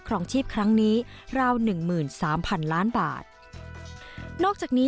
รองชีพครั้งนี้ราวหนึ่งหมื่นสามพันล้านบาทนอกจากนี้